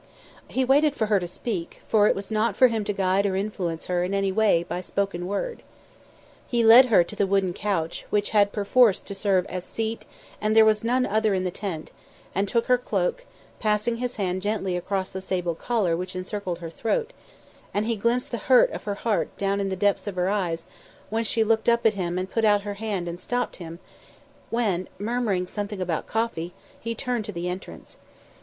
He waited for her to speak, for it was not for him to guide or influence her in any way by spoken word. He led her to the wooden couch, which had perforce to serve as seat as there was none other in the tent, and took her cloak, passing his hand gently across the sable collar which encircled her throat; and he glimpsed the hurt of her heart down in the depths of her eyes when she looked up at him and put out her hand and stopped him when, murmuring something about coffee, he turned to the entrance.